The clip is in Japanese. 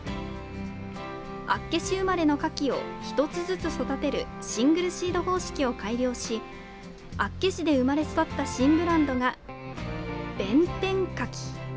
厚岸生まれのカキを１つずつ育てるシングルシード方式を改良し厚岸で生まれ育った新ブランドが弁天かき。